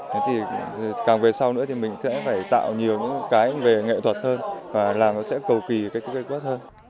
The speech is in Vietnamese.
thế thì càng về sau nữa thì mình sẽ phải tạo nhiều những cái về nghệ thuật hơn và làm nó sẽ cầu kỳ cái cây quất hơn